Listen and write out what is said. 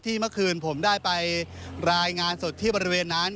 เมื่อคืนผมได้ไปรายงานสดที่บริเวณนั้น